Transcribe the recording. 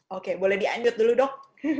oke boleh di anjut dulu dok